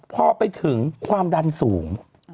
พอไปถึงความดันสูง